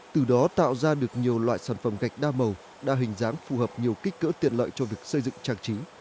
từ đó tạo ra được nhiều loại sản phẩm gạch đa màu đa hình dáng phù hợp nhiều kích cỡ tiện lợi cho việc xây dựng trang trí